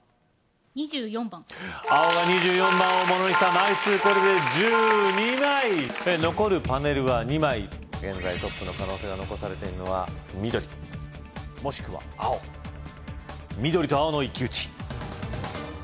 ２４番青が２４番をものにした枚数これで１２枚残るパネルは２枚現在トップの可能性が残されているのは緑もしくは青緑と青の一騎打ち